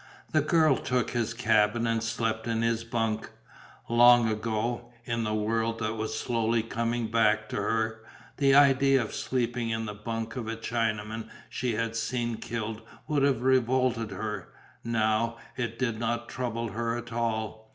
The girl took his cabin and slept in his bunk. Long ago, in the world that was slowly coming back to her, the idea of sleeping in the bunk of a Chinaman she had seen killed would have revolted her, now, it did not trouble her at all.